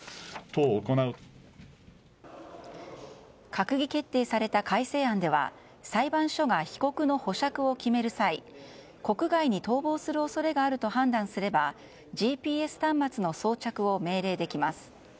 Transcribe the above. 閣議決定された改正案では裁判所が被告の保釈を決める際国外に逃亡する恐れがあると判断すればＧＰＳ端末の装着を命令できます。